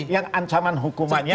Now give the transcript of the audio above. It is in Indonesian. yang ancaman hukumannya